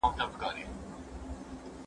زه پرون درسونه اورم وم!!